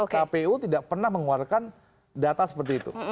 kpu tidak pernah mengeluarkan data seperti itu